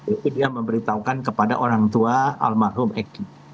itu dia memberitahukan kepada orang tua almarhum eki